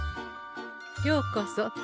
ようこそ銭